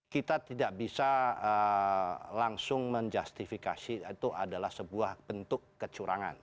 kita tidak bisa langsung menjustifikasi itu adalah sebuah bentuk kecurangan